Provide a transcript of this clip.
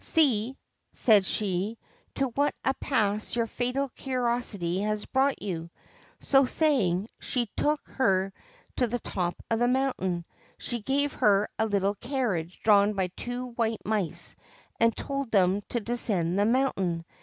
' See,' said she, ' to what a pass your fatal curiosity has brought you !' So saying, she took her to the top of the mountain ; she gave her a little carriage drawn by two white mice and told them to descend the mountain.